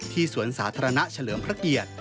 สวนสาธารณะเฉลิมพระเกียรติ